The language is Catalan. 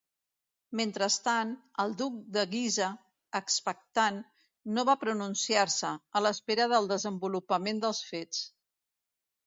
Mentrestant, el duc de Guisa, expectant, no va pronunciar-se, a l'espera del desenvolupament dels fets.